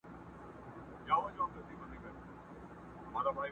o چي په گرانه ئې رانيسې، په ارزانه ئې مه خرڅوه!